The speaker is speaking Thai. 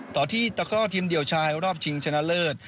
ต่อที่ตะกร่อทีมเดี่ยวชายรอบชิงชนะเลิศ